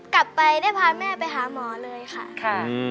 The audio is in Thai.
กลับไปได้พาแม่ไปหาหมอเลยค่ะ